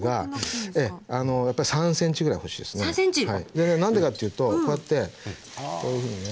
でね何でかっていうとこうやってこういうふうにね。